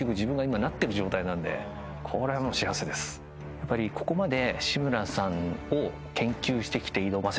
やっぱりここまで。